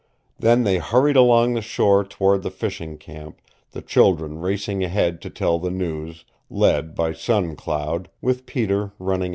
Then they hurried along the shore toward the fishing camp, the children racing ahead to tell the news, led by Sun Cloud with Peter running at her heels.